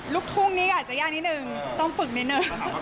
ลูกทุ่งนี้ก็อาจจะยากนิดนึงต้องฝึกนิดนึง